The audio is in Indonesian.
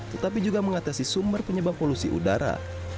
tetapi juga mengatasi sumber penyebab polusi udara